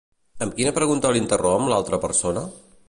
Amb quina pregunta l'interromp l'altra persona?